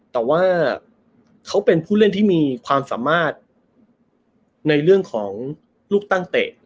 แต่ว่าเขาเป็นผู้เล่นที่มีความสามารถในเรื่องของลูกตั้งเตะ